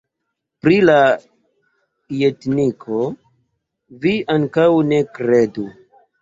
Pri la ljetniko vi ankaŭ ne kredu!